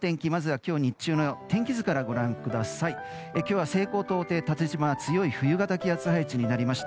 今日は西高東低、縦じま強い冬型気圧配置になりました。